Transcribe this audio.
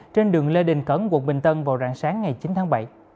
trên đường lê đình cẩn quận bình tân vào rạng sáng ngày chín tháng bảy